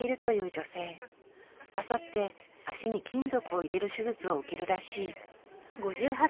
あさって足に金属を入れる手術を受けるらしい。